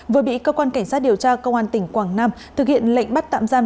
vừa bị cơ quan cảnh sát điều tra công an tỉnh quảng nam thực hiện lệnh bắt tạm giam